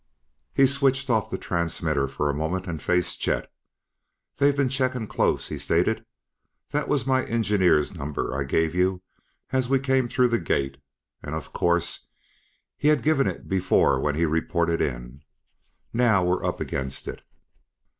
He switched off the transmitter for a moment and faced Chet. "They've been checkin' close," he stated. "That was my engineer's number I gave you as we came through the gate. And, of course, he had given it before when he reported in. Now we're up against it."